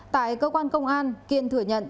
tại cơ quan công an kiên thừa nhận